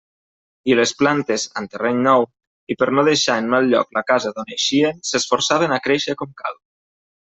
I les plantes, amb terreny nou, i per no deixar en mal lloc la casa d'on eixien, s'esforçaven a créixer com cal.